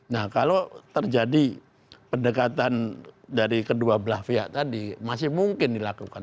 nah kalau terjadi pendekatan dari kedua belah pihak tadi masih mungkin dilakukan